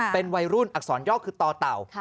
เป็นวัยรุ่นอักษรย่อคือต่อเต่า